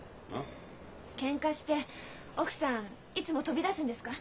ケンカして奥さんいつも飛び出すんですか？